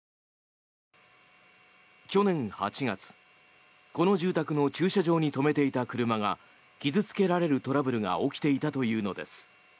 去年８月この住宅の駐車場に止めていた車が傷付けられるトラブルが起きていたというのです。